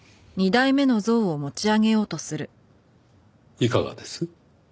いかがです？